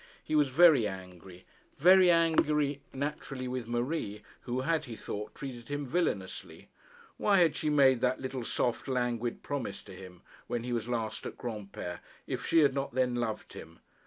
He was very angry; very angry naturally with Marie, who had, he thought, treated him villainously. Why had she made that little soft, languid promise to him when he was last at Granpere, if she had not then loved him?